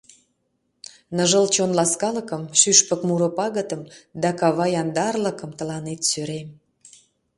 Ныжыл чон ласкалыкым, Шӱшпык муро пагытым Да кава яндарлыкым Тыланет сӧрем.